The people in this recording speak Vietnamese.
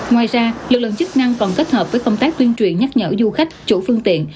ngoài ra lực lượng chức năng còn kết hợp với công tác tuyên truyền nhắc nhở du khách chủ phương tiện